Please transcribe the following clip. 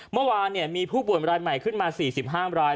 เมื่อวานมีผู้ป่วยรายใหม่ขึ้นมา๔๕ราย